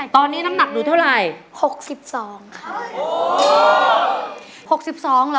ตอนนี้น้ำหนักดูเท่าไหร่๖๒ค่ะ